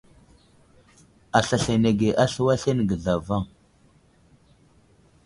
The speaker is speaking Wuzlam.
Aslasl anege a slu aslane ge zlavaŋ.